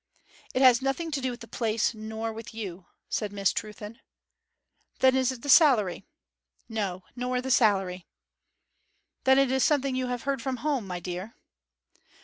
'It has nothing to do with the place, nor with you,' said Miss Trewthen. 'Then it is the salary?' 'No, nor the salary.' 'Then it is something you have heard from home, my dear.'